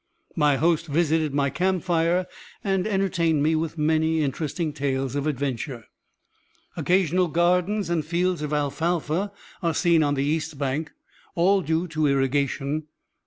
My host visited my camp fire and entertained me with many interesting tales of adventure. Occasional gardens and fields of alfalfa are seen on the east bank, all due to irrigation.